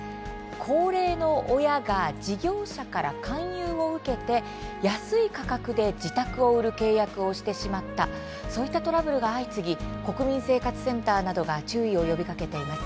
高齢の親が事業者から勧誘を受けて安い価格で自宅を売る契約をしてしまったこういったトラブルが相次ぎ国民生活センターなどが注意を呼びかけています。